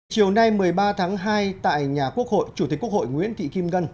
chiều nay một mươi ba tháng hai tại nhà quốc hội chủ tịch quốc hội nguyễn thị kim ngân